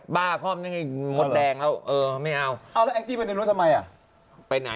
ไม่มีเรื่องเต็มหน้า